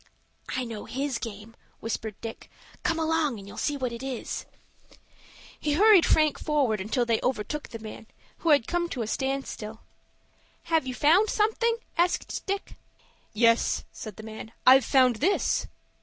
"I know his game," whispered Dick. "Come along and you'll see what it is." He hurried Frank forward until they overtook the man, who had come to a stand still. "Have you found anything?" asked Dick. "Yes," said the man, "I've found this."